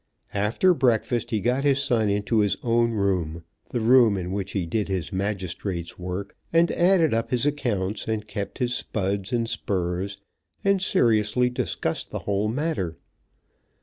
After breakfast he got his son into his own room, the room in which he did his magistrate's work, and added up his accounts, and kept his spuds and spurs, and seriously discussed the whole matter.